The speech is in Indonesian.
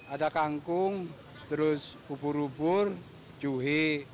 ada kangkung terus bubur bubur juhi